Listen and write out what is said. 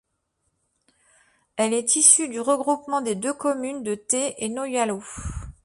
Elle est issue du regroupement des deux communes de Theix et Noyalo.